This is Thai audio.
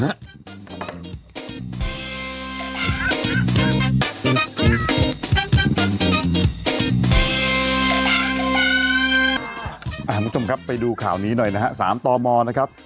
อ่าผู้ชมครับไปดูข่าวนี้หน่อยนะฮะสามต่อมอร์นะครับ